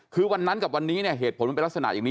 คือวันนั้นกับวันนี้เนี่ยเหตุผลมันเป็นลักษณะอย่างนี้